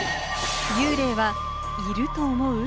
幽霊はいると思う？